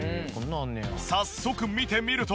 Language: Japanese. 早速見てみると。